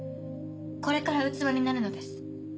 これから器になるのです。